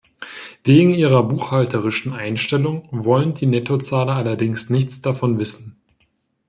Wegen ihrer buchhalterischen Einstellung wollen die Nettozahler allerdings nichts davon wissen.